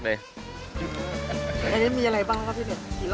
อันนี้มีอะไรบ้างครับพี่เน็ต